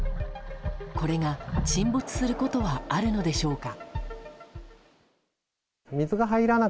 これが沈没することはあるのでしょうか。